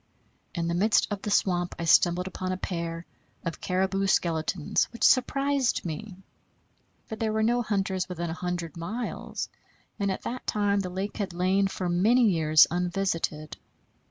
In the midst of the swamp I stumbled upon a pair of caribou skeletons, which surprised me; for there were no hunters within a hundred miles, and at that time the lake had lain for many years unvisited.